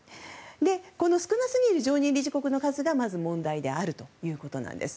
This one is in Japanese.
この少なすぎる常任理事国の数がまず問題だということです。